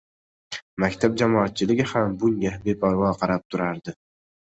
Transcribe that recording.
Maktab jamoatchiligi ham bunga beparvo qarab turardi.